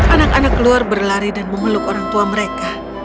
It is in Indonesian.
anak anak keluar berlari dan memeluk orang tua mereka